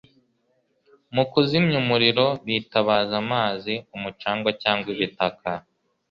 mu kuzimya umuriro bitabaza amazi, umucanga cyangwa ibitaka